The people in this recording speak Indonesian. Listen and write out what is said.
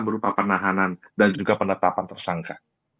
berupa penahanan dan juga penetapan tersangka